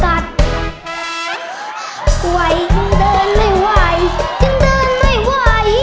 กัดไหวฉันเดินไม่ไหวฉันเดินไม่ไหว